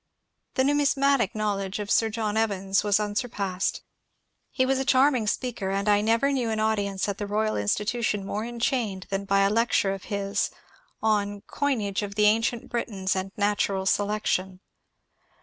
The numismatic knowledge of Sir John Evans was unsur passed; he was a charming speaker, and I never knew an audience at the Royal Institution more enchained than by a lecture of his on ^^ Coinage of the Ancient Britons and Natural Selection."